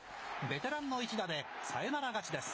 ベテランの一打でサヨナラ勝ちです。